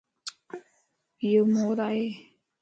ايو مور ائي